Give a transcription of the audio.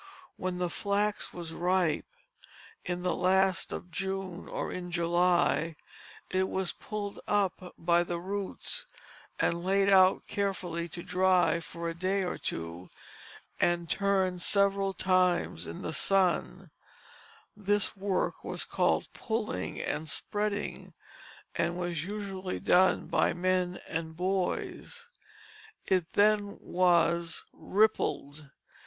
When the flax was ripe, in the last of June or in July, it was pulled up by the roots and laid out carefully to dry for a day or two, and turned several times in the sun; this work was called pulling and spreading, and was usually done by men and boys. It then was "rippled."